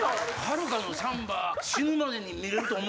はるかのサンバ。